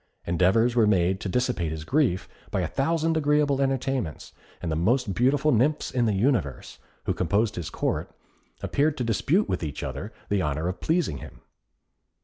Endeavours were made to dissipate his grief by a thousand agreeable entertainments, and the most beautiful nymphs in the universe, who composed his Court, appeared to dispute with each other the honour of pleasing him.